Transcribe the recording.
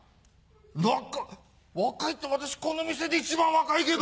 若いって私この店で一番若いけど！